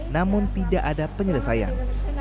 namun tidak ada penyelesaian